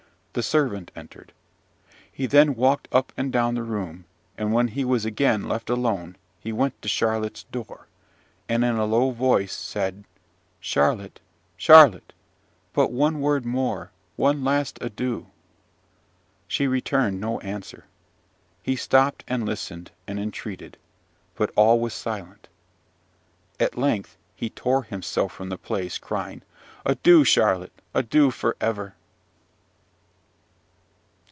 The servant entered. He then walked up and down the room; and, when he was again left alone, he went to Charlotte's door, and, in a low voice, said, "Charlotte, Charlotte! but one word more, one last adieu!" She returned no answer. He stopped, and listened and entreated; but all was silent. At length he tore himself from the place, crying, "Adieu, Charlotte, adieu for ever!"